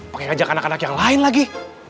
pake ngajak anak anak yang lain lagi